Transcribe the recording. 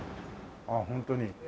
ああホントに。